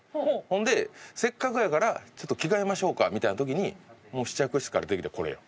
ほんでせっかくやからちょっと着替えましょうかみたいな時に試着室から出てきてこれや。